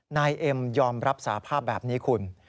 นายเอ็มยอมรับสาภาพแบบนี้คุณ